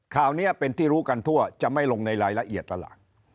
ข่าวนี้เป็นที่รู้กันทั่วจะไม่ลงในรายละเอียดแล้วล่ะ